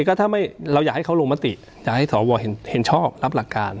ก็ถ้าเราอยากให้เขาลงมติอยากให้สวเห็นชอบรับหลักการ